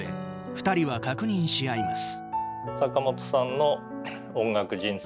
２人は確認し合います。